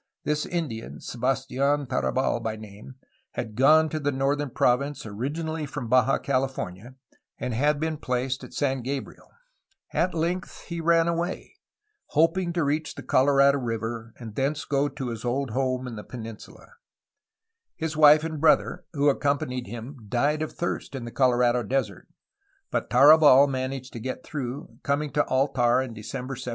This Indian, Sebastian Tarabal by name, had gone to the northern province originally from Baja California, and had been placed at San Gabriel. At length, he ran away, hoping to reach the Colorado River and thence go to his old home JUAN BAUTISTA DE ANZA 299 in the peninsula. His wife and brother, who accompanied him, died of thirst in the Colorado Desert, but Tarabal managed to get through, coming to Altar in December 1773.